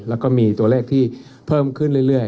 แล้วก็มีตัวเลขที่เพิ่มขึ้นเรื่อย